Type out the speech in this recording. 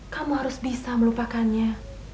kamu harus bisa melupakannya